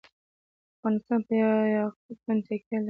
افغانستان په یاقوت باندې تکیه لري.